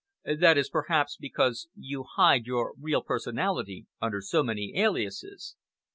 "That is perhaps because you hide your real personality under so many aliases."